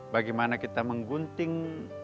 bagaimana kita menggunting